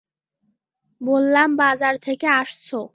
বললাম, বাজার থেকে আসছো?